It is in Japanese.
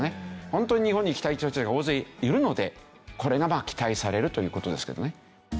本当に日本に来たい人たちが大勢いるのでこれがまあ期待されるという事ですけどね。